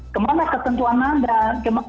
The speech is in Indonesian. kemana ketentuan anda